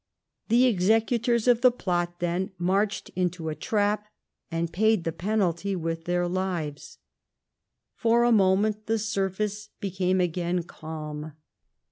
The executors of the plot, then, marched into a trap, and paid the penalty with their lives. For a moment the surface became again calm.